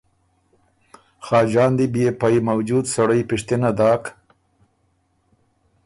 خاجان دی بيې پئ موجود سړئ پِشتِنه داک